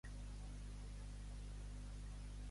Coffee Springs ha estat conegut pel seu topònim poc habitual.